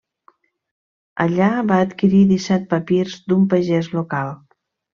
Allà va adquirir disset papirs d'un pagès local.